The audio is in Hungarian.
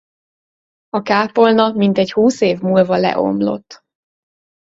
A kápolna mintegy húsz év múlva leomlott.